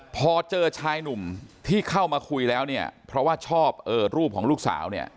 พอเจอชายหนุ่มที่เข้ามาคุยแล้วเนี่ยเพราะว่าชอบรูปของลูกสาวเนี่ย